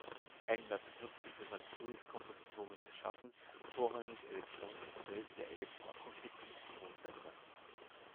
Englert nutzte für sein frühes kompositorisches Schaffen vorrangig elektronische Geräte der Elektroakustik und Tonbänder.